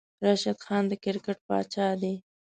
راشد خان د کرکیټ پاچاه دی